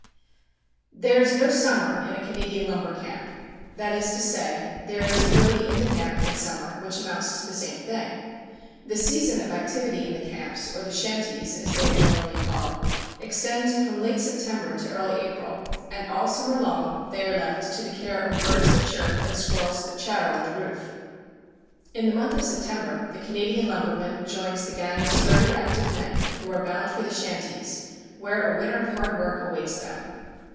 * There is no summer in a Canadian lumber camp; that is to say, there is nobody in the camp in summer, which amounts to the same thing. The season of activity in the camps, or the "shanties" as they are generally called, extends from late September to early April, and all summer long they are left to the care of birds that chirp and squirrels that chatter on the roof. In the month of September the Canadian lumberman joins the gang of sturdy, active men who are bound for the "shanties," where a winter of hard work awaits them.